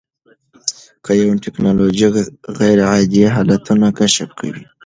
د یون ټېکنالوژي غیرعادي حالتونه کشف کوي.